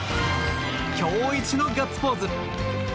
今日イチのガッツポーズ！